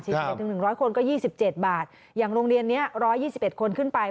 ๑๑๐๐คนก็๒๗บาทอย่างโรงเรียนนี้๑๒๑คนขึ้นไป